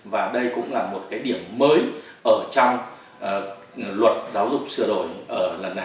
và đây cũng là một cái điểm mới ở trong luật giáo dục sửa đổi ở lần này